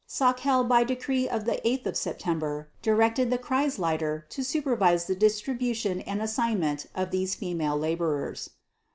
Sauckel by decree of 8 September directed the Kreisleiter to supervise the distribution and assignment of these female laborers.